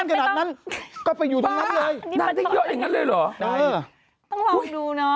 น่าจะเยอะอย่างนั้นเลยเหรอต้องลองดูน้อยนะพี่แมว่าเขาไลค์ขายของอยู่ที่ไหนก็ได้อยู่แล้วไงน้องต้องเงียนพี่แมว่าเขาไลค์ขายของอยู่ที่ไหนก็ได้อยู่แล้วไง